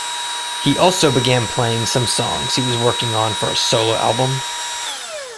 He also began playing some songs he was working on for a solo album.